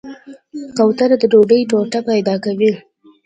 کوتره د ډوډۍ ټوټه پیدا کوي.